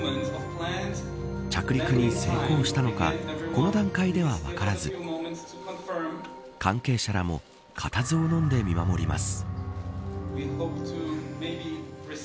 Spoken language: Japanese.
着陸に成功したのかこの段階では分からず関係者らも固唾をのんで見守ります。